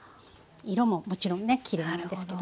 色ももちろんねきれいなんですけど。